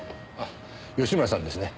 吉村さんですね？